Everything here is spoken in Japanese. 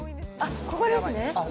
ここですね。